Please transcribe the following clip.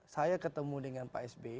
saya ketemu dengan pak sby